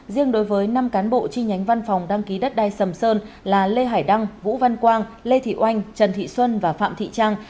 riêng đối với năm cán bộ chi nhánh văn phòng đăng ký đất đai sầm sơn là lê hải đăng vũ văn quang lê thị oanh trần thị xuân và phạm thị trang